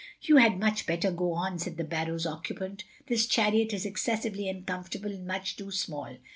"You had much better go on," said the barrow's occupant. "This chariot is excessively uncomfortable and much too small.